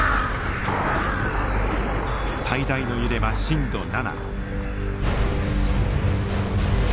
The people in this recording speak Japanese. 最大の揺れは震度７。